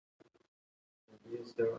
غیرتمند د خوړو نه مخکې عزت خوښوي